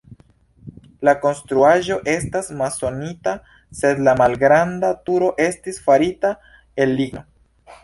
La konstruaĵo estas masonita, sed la malgranda turo estis farita el ligno.